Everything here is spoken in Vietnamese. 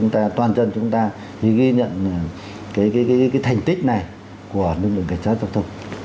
rất là cao để toàn dân chúng ta ghi nhận cái thành tích này của lực lượng cảnh sát giao thông